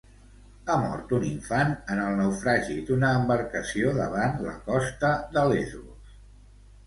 Ha mort un infant en el naufragi d'una embarcació davant la costa de Lesbos.